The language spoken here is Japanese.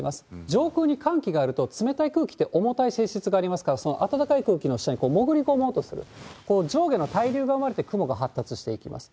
上空に寒気があると、冷たい空気って重たい性質がありますから、その暖かい空気の下に潜り込もうとする、こう、上下の対流が生まれて、雲が発達していきます。